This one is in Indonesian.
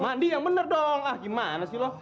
mandi yang bener dong ah gimana sih lo